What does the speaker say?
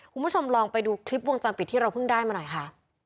คุณผู้ชมลองไปดูคลิปวงจรปิดที่เราเพิ่งได้มาหน่อยค่ะ